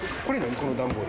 この段ボール。